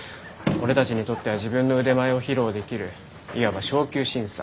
俺たちにとっては自分の腕前を披露できるいわば昇級審査。